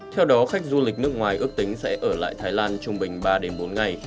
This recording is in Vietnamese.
theo đó khách du lịch nước ngoài ước tính sẽ ở lại thái lan trung bình ba bốn ngày